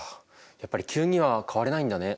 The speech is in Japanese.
やっぱり急には変われないんだね。